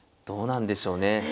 どうなんでしょうね？